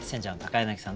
柳さん